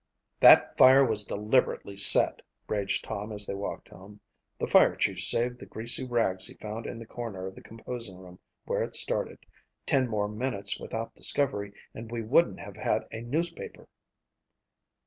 "That fire was deliberately set," raged Tom as they walked home. "The fire chief saved the greasy rags he found in the corner of the composing room where it started. Ten more minutes without discovery and we wouldn't have had a newspaper."